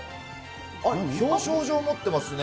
表彰状持ってますね。